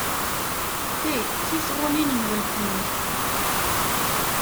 Ti d tisɣunin n weltma.